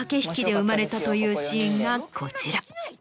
生まれたというシーンがこちら。